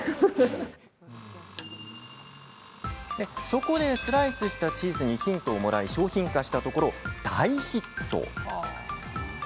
そこで、スライスしたチーズにヒントをもらい商品化したところ大ヒット。